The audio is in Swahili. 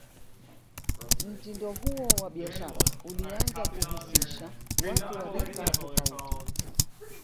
mtindo huo wa Biashara ulianza kuhusisha Watu wa rika tofauti